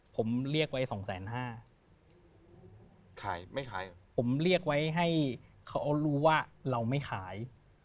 เค้ารู้ว่าเราไม่ขาย